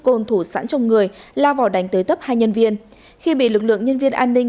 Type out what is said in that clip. côn thủ sẵn trong người lao vào đánh tới tấp hai nhân viên khi bị lực lượng nhân viên an ninh